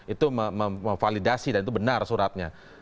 itu memvalidasi dan itu benar suratnya